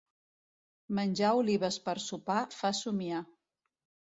Menjar olives per sopar fa somniar.